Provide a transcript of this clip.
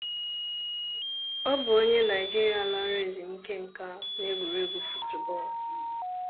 Ọ bụ onye Naịjirịa lara ezumike nká na egwuregwu fotu bọọlụ.